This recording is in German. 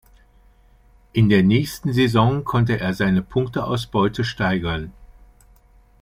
In der nächsten Saison konnte er seine Punkteausbeute steigern.